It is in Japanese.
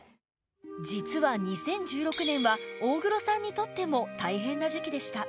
実は２０１６年は大黒さんにとっても大変な時期でした